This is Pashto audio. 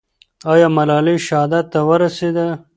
آیا ملالۍ شهادت ته ورسېده؟